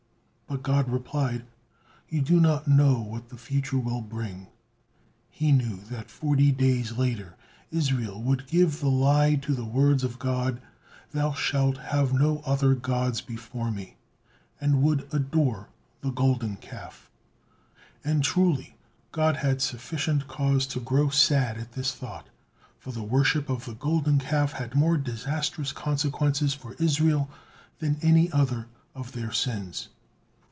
But God replied: "You do not know what the future will bring." He knew that forty days later Israel would give the lie to the words of God: "Thou shalt have no other gods before Me," and would adore the Golden Calf. And truly, God had sufficient cause to grow sad at this thought, for the worship of the Golden Calf had more disastrous consequences for Israel than any other of their sins.